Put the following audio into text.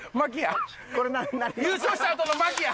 優勝したあとの牧や！